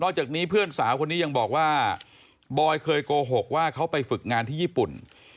จากนี้เพื่อนสาวคนนี้ยังบอกว่าบอยเคยโกหกว่าเขาไปฝึกงานที่ญี่ปุ่น